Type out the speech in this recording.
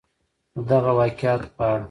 د دغه واقعاتو په اړه